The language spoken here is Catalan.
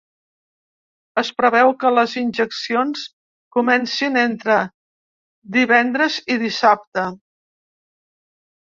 Es preveu que les injeccions comencin entre divendres i dissabte.